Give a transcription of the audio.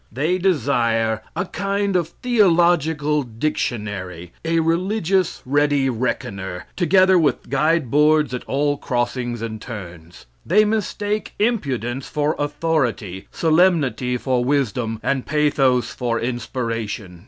They desire a kind of theological dictionary a religious ready reckoner, together with guide boards at all crossings and turns. They mistake impudence for authority, solemnity for wisdom, and pathos for inspiration.